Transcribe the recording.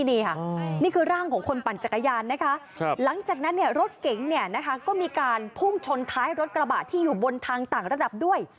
นี่คือร่างของคนปั่นจักรยานนะคะหลังจากนั้นรถเก๋งก็มีการพุ่งชนท้ายรถกระบะที่อยู่บนทางต่างระดับด้วย